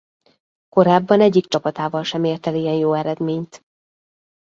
Korábban egyik csapatával sem ért el ilyen jó eredményt.